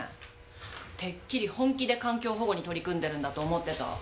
てっきり本気で環境保護に取り組んでるんだと思ってた。